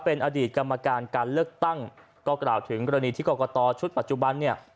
เป็นอดีตกรรมการการเลือกตั้งก็กล่าวถึงกรณีที่กรกตชุดปัจจุบันเนี่ย